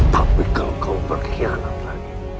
tapi kalau kau berkhianat lagi